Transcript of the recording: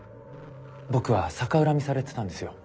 僕は逆恨みされてたんですよ。